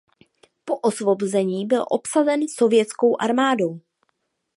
Po osvobození byl obsazen sovětskou armádou.